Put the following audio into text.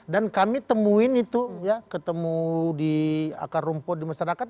dan kami temuin itu ya ketemu di akar rumput di masyarakat